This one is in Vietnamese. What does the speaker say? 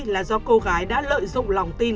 là do cô gái đã lợi dụng lòng tin